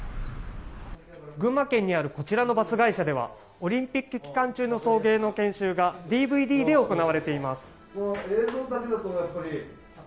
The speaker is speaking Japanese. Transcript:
群馬県にあるこちらのバス会社ではオリンピック期間中の送迎の研修がＤＶＤで行われています。